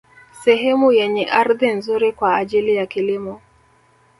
Sehemu yenye ardhi nzuri kwa ajili ya kilimo